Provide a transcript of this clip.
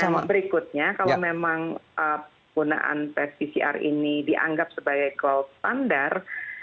pertanyaan yang berikutnya kalau memang penggunaan pcr ini dianggap sebagai gold standard